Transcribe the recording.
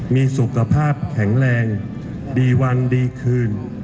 มีสุขภาพแข็งแรงดีวันดีคืน